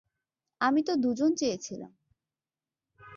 আমি তো দুজন চেয়েছিলাম?